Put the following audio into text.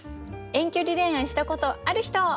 遠距離恋愛したことある人？